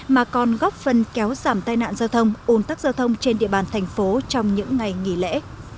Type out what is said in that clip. mà còn góp phần kéo giảm tai nạn giao thông ủn tắc giao thông trên địa bàn thành phố trong những ngày nghỉ lễ